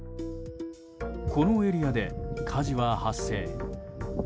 このエリアで火事は発生。